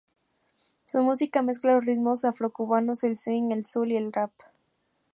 Su música mezcla los ritmos afrocubanos, el swing, el soul y el rap.